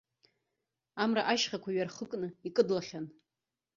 Амра ашьхақәа иҩархыкны икыдлахьан.